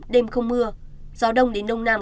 đêm không mưa gió đông đến đông nam